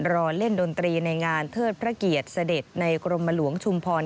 รอเล่นดนตรีในงานเทิดพระเกียรติเสด็จในกรมหลวงชุมพร